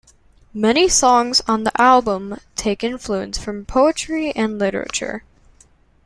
Many songs on the album take influence from poetry and literature.